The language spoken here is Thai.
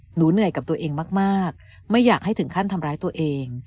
เหนื่อยกับตัวเองมากไม่อยากให้ถึงขั้นทำร้ายตัวเอง